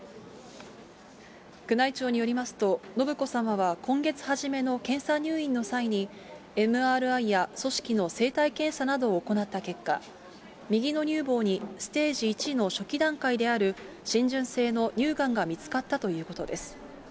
宮内庁によりますと、信子さまは今月初めの検査入院の際に、ＭＲＩや組織の生体検査などを行った結果、右の乳房にステージ１の初期段階である浸潤性の乳がんが見つかったということです。